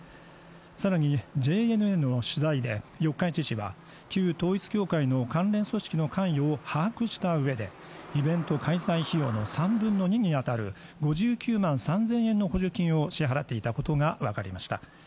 さらにＪＮＮの取材で四日市市は旧統一教会の関連組織の関与を把握した上でイベント開催費用の３分の２に当たる５９万３０００円の補助金を支払っていたことが分かりました